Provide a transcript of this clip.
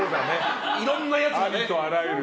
いろんなやつがね。